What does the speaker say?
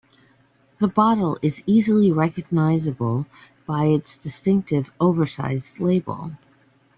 The bottle is easily recognisable by its distinctive oversized label.